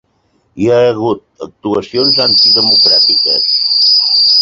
Hi ha hagut actuacions antidemocràtiques.